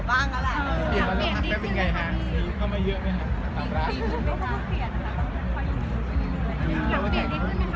ทำให้เปลี่ยนดีขึ้นไหมครับครับพี่อัม